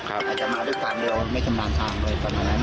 อาจจะมาด้วยฟางเร็วไม่จำนามฟางเลย